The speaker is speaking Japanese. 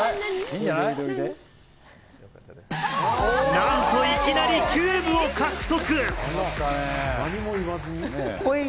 なんと、いきなりキューブを獲得！